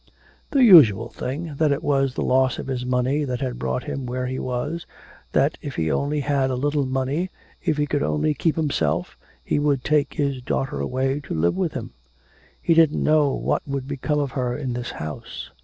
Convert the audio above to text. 'The usual thing: that it was the loss of his money that had brought him where he was; that if he only had a little money, if he could only keep himself, he would take his daughter away to live with him. He didn't know what would become of her in this house.